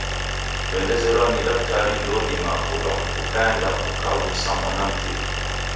Wendazerwa ni daktrari ndoudima kuva, ukaenda ukaw'usa mwana mkiw'a.